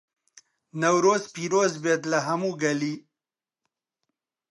نەورۆز پیرۆزبێت لە هەموو گەلی